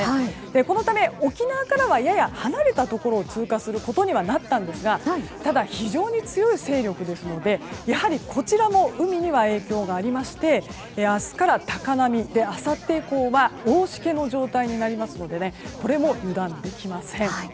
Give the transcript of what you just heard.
このため、沖縄からはやや離れたところを通過することになったんですがただ非常に強い勢力ですのでやはりこちらも海には影響がありまして明日から高波で、あさって以降は大しけの状態になりますのでこれも油断できません。